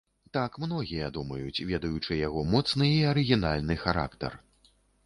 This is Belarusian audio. Так многія думаюць, ведаючы яго моцны і арыгінальны характар.